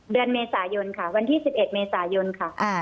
เดือนเมษายนค่ะวันที่๑๑เมษายนค่ะ